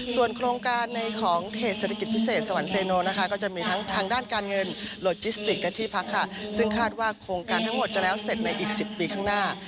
ส่วนโครงการในของเขตเศรษฐกิจพิเศษสวรรคเซโนนะคะก็จะมีทั้งทางด้านการเงินโลจิสติกและที่พักค่ะซึ่งคาดว่าโครงการทั้งหมดจะแล้วเสร็จในอีก๑๐ปีข้างหน้า